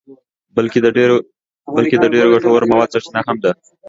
بلکه د ډېرو ګټورو موادو سرچینه هم ده.